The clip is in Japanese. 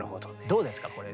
どうですかこれ？